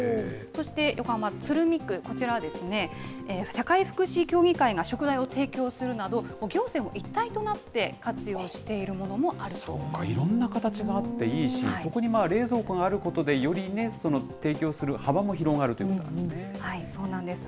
そして、横浜・鶴見区、こちらはですね、社会福祉協議会が食材を提供するなど、行政も一体となって、活用そっか、いろんな形があっていいし、そこに冷蔵庫があることで、よりね、その提供する幅も広そうなんです。